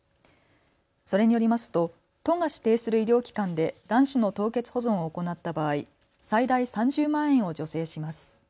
それによりますと都が指定する医療機関で卵子の凍結保存を行った場合、最大３０万円を助成します。